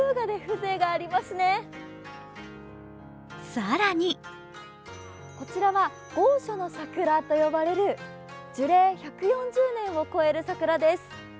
更にこちらは劫初の桜と呼ばれる樹齢１４０年を超える桜です。